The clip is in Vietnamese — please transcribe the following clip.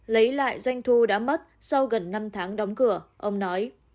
lấy lại doanh thu đã mất sau gần năm tháng đóng cửa ông nói